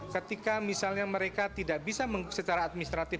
ketika misalnya mereka tidak bisa secara administratif